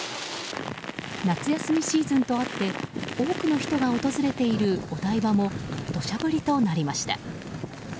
夏休みシーズンとあって多くの人が訪れているお台場も土砂降りとなりました。